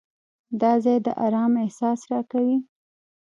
دا ځای د آرام احساس راکوي.